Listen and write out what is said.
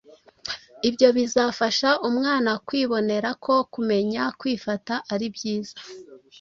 ibyo bizafasha umwana kwibonera ko kumenya kwifata ari byiza